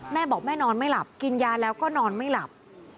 แม่บอกแม่นอนไม่หลับกินยาแล้วก็นอนไม่หลับ